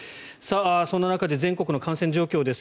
そんな中で全国の感染状況です。